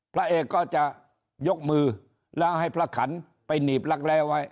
พระเอกก็จะยกมือแล้วให้พระขันไปหนีบรักแร้ไว้